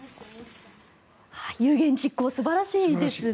有言実行、素晴らしいですね。